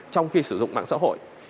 trong khi sử dụng mạng xã hội